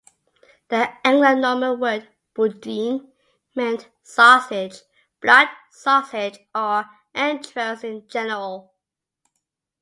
The Anglo-Norman word "boudin" meant 'sausage', 'blood sausage' or 'entrails' in general.